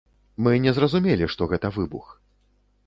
Мы не зразумелі, што гэта выбух.